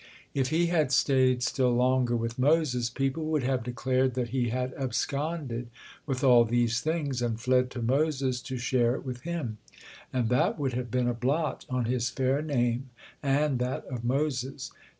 If he had stayed still longer with Moses, people would have declared that he had absconded with all these things and fled to Moses to share it with him, and that would have been a blot on his fair name and that of Moses.